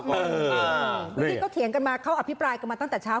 เมื่อกี้เถียงกันมาเขาอภิปรายกันมาตั้งแต่เช้า